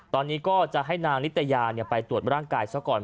ตอนนี้ก็จะให้นางนิตยาไปตรวจร่างกายซะก่อน